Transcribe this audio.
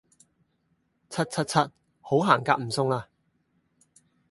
柒柒柒好行夾唔送啦